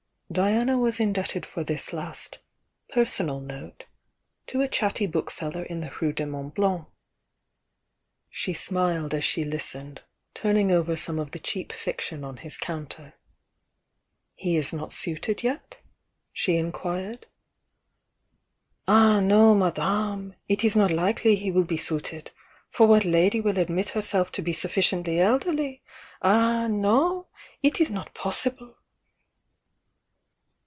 Diana was indebted for this last "personal note" to a chatty bookseller in the Rue du Mont Blanc. She smiled as she listened, THE YOUNG DIANA 101 turning over some of the cheap fiction on his counter. "He is not suited yet?" she inquired. "Ah, no, M lame! It is not likely he will be suited! For w t lady will admit herself to be suf ficiently elderly Ah, no? It is not possible!"